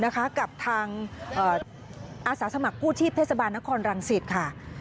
กับทางอาสาสมัครกู้ชีพเทศบาลนครรังสิตค่ะ